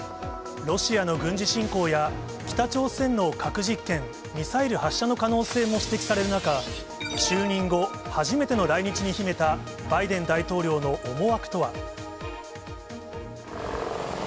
ロシアの軍事侵攻や北朝鮮の核実験、ミサイル発射の可能性も指摘される中、就任後初めての来日に秘めた、バイデン大統領の思惑とは。